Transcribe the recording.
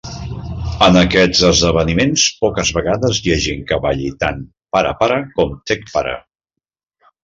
En aquests esdeveniments, poques vegades hi ha gent que balli tant ParaPara com TechPara.